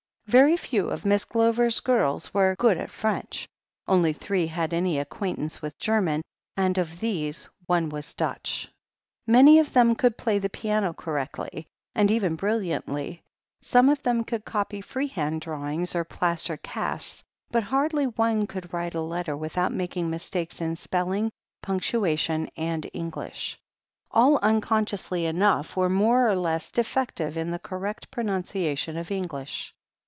Very few of Miss Glover's girls were "good at French." Only three had any acquaintance with German, and of these one was Dutch. 1 THE HEEL OF ACHILLES 37 Many of them cotild play the piano correctly, and even brilliantly, some of them could copy free hand drawings or plaster casts, but hardly one could write a letter without making mistakes in spelling, punctua tion, and English. All, unconsciously enough, were more or less defective in the correct pronimciation of English.